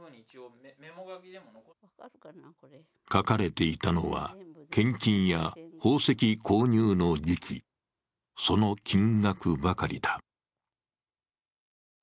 書かれていたのは献金や宝石購入の時期、その金額ばかりだ。